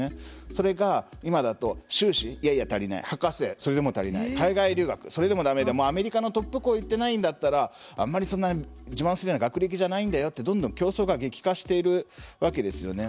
それがいまだと終始いや足りないそれでも足りない海外留学それでもだめで、アメリカのトップにも行ってないんだったらあんまり自慢するような学歴じゃないんだよってどんどん競争が激化しているわけですよね。